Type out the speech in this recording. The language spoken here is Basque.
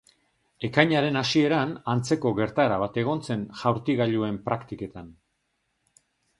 Ekainaren hasieran antzeko gertaera bat egon zen jaurtigailuen praktiketan.